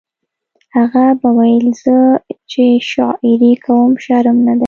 هغه به ویل زه چې شاعري کوم شرم نه دی